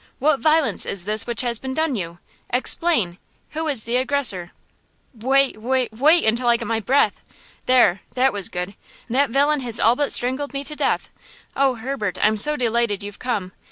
What violence is this which has been done you? Explain! who is the aggressor?" "Wai–wai–wait until I get my breath! There! that was good! That villain has all but strangled me to death? Oh, Herbert, I'm so delighted you've come!